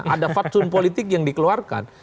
ada fatsun politik yang dikeluarkan